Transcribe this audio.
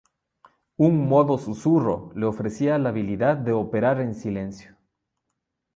Un "modo susurro" le ofrecía la habilidad de operar en silencio.